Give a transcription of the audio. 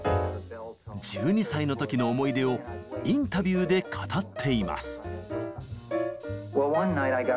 １２歳の時の思い出をインタビューで語っています。